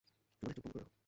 তোমাদের চোখ বন্ধ করে রাখো!